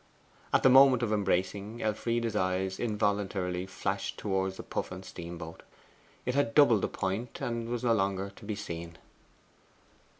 At the moment of embracing, Elfride's eyes involuntarily flashed towards the Puffin steamboat. It had doubled the point, and was no longer to be seen.